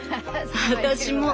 私も。